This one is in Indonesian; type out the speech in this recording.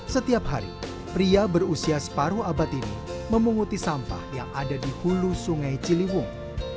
setiap hari pria berusia separuh abad ini memunguti sampah yang ada di hulu sungai ciliwung